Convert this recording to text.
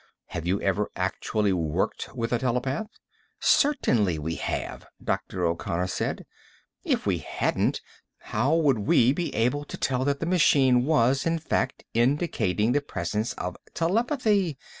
Have you ever actually worked with a telepath?" "Certainly we have," Dr. O'Connor said. "If we hadn't, how would we be able to tell that the machine was, in fact, indicating the presence of telepathy?